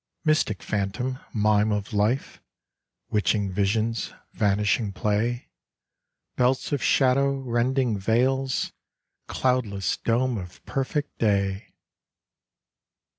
Mystic phantom, mime of life: Witching visions, vanishing play, Belts of shadow, rending veils, Cloudless dome of perfect day!